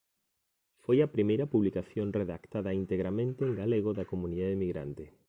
Foi a primeira publicación redactada integramente en galego da comunidade emigrante.